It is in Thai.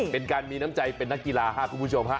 เป็นการมีน้ำใจเป็นนักกีฬาครับคุณผู้ชมฮะ